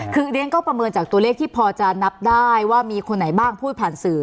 คือเรียนก็ประเมินจากตัวเลขที่พอจะนับได้ว่ามีคนไหนบ้างพูดผ่านสื่อ